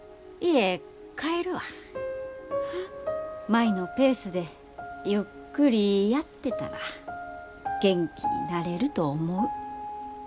舞のペースでゆっくりやってたら元気になれると思う。